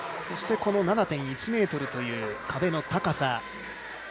そして７．１ｍという壁の高さ。